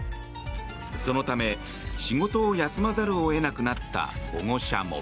そのため仕事を休まざるを得なくなった保護者も。